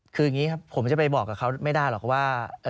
คืออย่างนี้ครับผมจะไปบอกกับเขาไม่ได้หรอกครับว่า